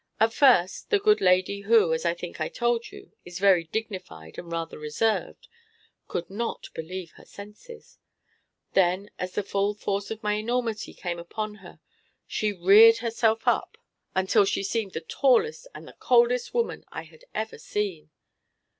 At first, the good lady who (as I think I told you) is very dignified and rather reserved, could not believe her senses. Then, as the full force of my enormity came upon her she reared herself up until she seemed the tallest and the coldest woman I had ever seen.